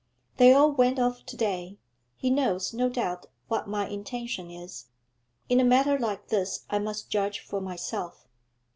'They all went off to day. He knows, no doubt, what my intention is. In a matter like this I must judge for myself.'